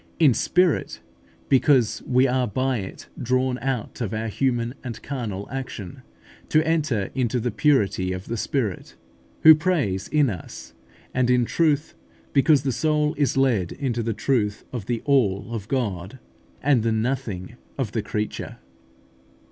In spirit, because we are by it drawn out of our human and carnal action, to enter into the purity of the Spirit, who prays in us; and in truth, because the soul is led into the truth of the ALL of God, and the NOTHING of the creature.